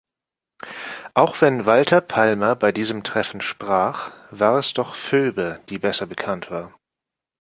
Auch wenn Walter Palmer bei diesen Treffen sprach, war es doch Phoebe, die besser bekannt war.